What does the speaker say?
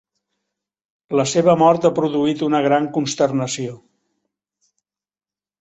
La seva mort ha produït una gran consternació.